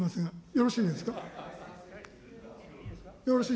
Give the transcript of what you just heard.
よろしいですか。